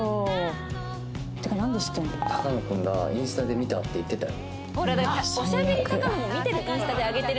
高野君が「インスタで見た」って言ってたよ。